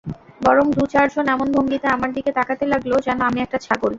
বরং দু-চারজন এমন ভঙ্গিতে আমার দিকে তাকাতে লাগল, যেন আমি একটা ছাগল।